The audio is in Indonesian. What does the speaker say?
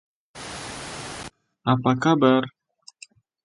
Jangat liat kurang panggang